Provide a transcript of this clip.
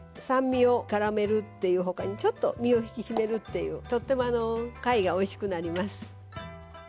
酸味をからめるっていうほかにちょっと身を引き締めるっていうとってもあの貝がおいしくなります。